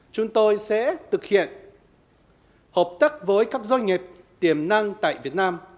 chúng tôi sẽ thực hiện hợp tác với các doanh nghiệp tiềm năng tại việt nam